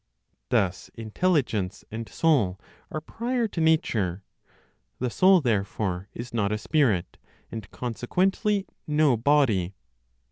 Thus intelligence and soul are prior to nature; the soul, therefore, is not a spirit, and consequently no body.